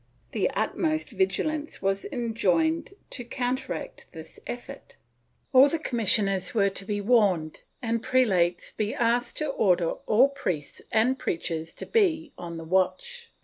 The utmost vigilance was enjoined to counteract this effort; all the commissioners were to be warned and prelates be asked to order all priests and preachers to be on the watch.